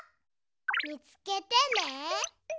みつけてね。